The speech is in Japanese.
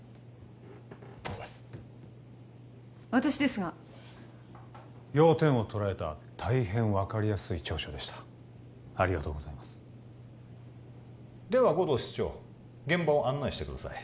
おいっ私ですが要点を捉えた大変分かりやすい調書でしたありがとうございますでは護道室長現場を案内してください